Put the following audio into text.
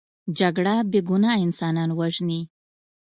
جګړه بې ګناه انسانان وژني